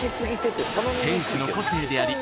［店主の個性であり］